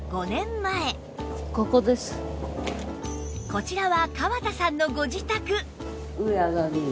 こちらは川田さんのご自宅